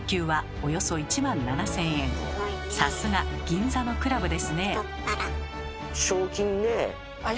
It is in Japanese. さすが銀座のクラブですね！